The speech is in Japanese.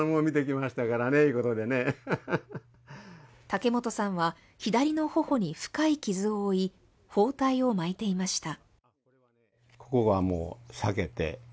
竹本さんは左の頬に深い傷を負い包帯を巻いていました。